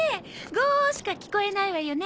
ゴーッしか聞こえないわよね。